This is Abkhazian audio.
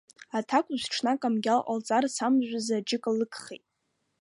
Аҭакәажә ҽнак амгьал ҟалҵарц амажәазы аџьыка лыгхеит.